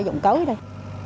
dọn cấu đây